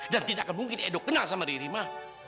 dan tidak mungkin edo kenal sama riri ma